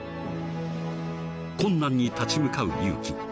［困難に立ち向かう勇気］